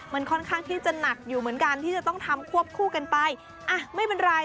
มันค่อนข้างที่จะหนักอยู่เหมือนกันที่จะต้องทำควบคู่กันไปอ่ะไม่เป็นไร